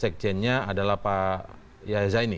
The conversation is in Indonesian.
sekjennya adalah pak yazaini